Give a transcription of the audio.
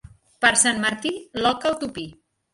Per Sant Martí, l'oca al tupí.